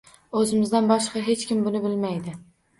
O’zimizdan boshqa hech kim buni bilmaydi.